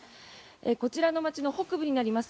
こちらの町の北部にあります